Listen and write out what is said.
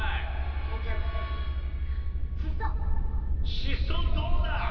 シソどうだ？